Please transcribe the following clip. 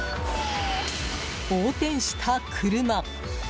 横転した車。